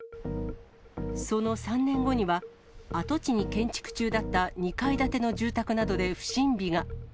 その３年後には、跡地に建築中だった２階建ての住宅などで不審火が。